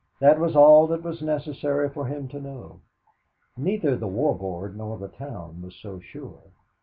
That was all that was necessary for him to know. Neither the War Board nor the town was so sure.